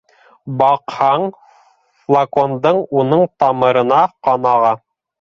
Баҡһаң, флакондан уның тамырына ҡан аға.